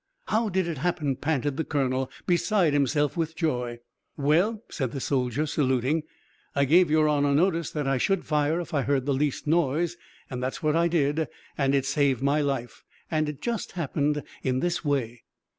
"How did it happen?" panted the colonel, beside himself with joy. "Well," said the soldier, saluting, "I gave your honor notice that I should fire if I heard the least noise. That's what I did, and it saved my life; and it just happened in this way.